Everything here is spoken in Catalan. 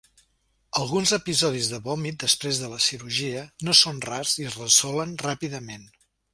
Alguns episodis de vòmit després de la cirurgia no són rars i es resolen ràpidament.